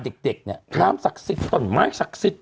เด็กเนี่ยน้ำศักดิ์สิทธิ์ต้นไม้ศักดิ์สิทธิ